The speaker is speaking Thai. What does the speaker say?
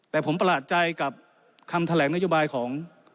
แต่ผมประหลาดใจกับคำแถลงนโยบายของ